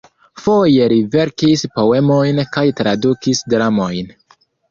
Foje li verkis poemojn kaj tradukis dramojn.